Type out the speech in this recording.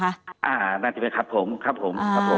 ครับผมครับผมครับผม